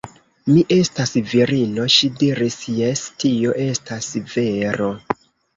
Mi estas virino, ŝi diris, jes, tio estas vero.